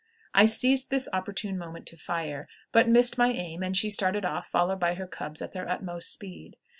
I seized this opportune moment to fire, but missed my aim, and she started off, followed by her cubs at their utmost speed.